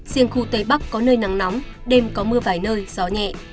riêng khu tây bắc có nơi nắng nóng đêm có mưa vài nơi gió nhẹ